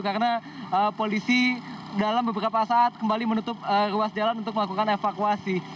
karena polisi dalam beberapa saat kembali menutup ruas jalan untuk melakukan evakuasi